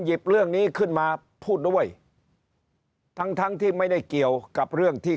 เรื่องนี้ขึ้นมาพูดด้วยทั้งทั้งที่ไม่ได้เกี่ยวกับเรื่องที่